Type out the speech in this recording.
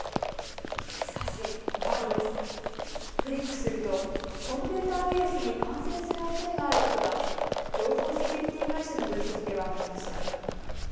しかし、このアドレス。クリックするとコンピューターウイルスに感染するおそれがあることが情報セキュリティー会社の分析で分かりました。